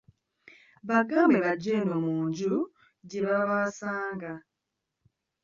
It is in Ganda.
Bagambe bajje eno mu nju gye baba bansanga.